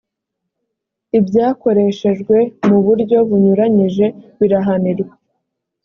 ibyakoreshejwe mu buryo bunyuranyije birahanirwa